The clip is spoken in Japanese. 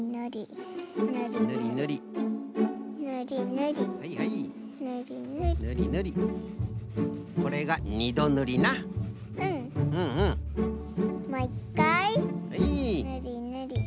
ぬりぬり。